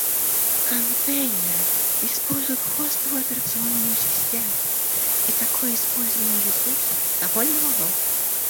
Контейнеры используют хостовую операционную систему и такое использование ресурсов довольно мало